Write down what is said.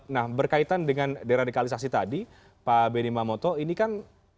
nah berkaitan dengan deradikalisasi tadi pak benny mamoto ini kan